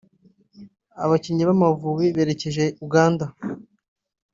Abakinnyi b’Amavubi berekeje Uganda